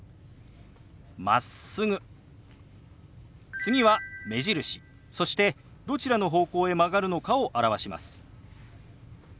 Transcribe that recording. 次は目印そしてどちらの方向へ曲がるのかを表します。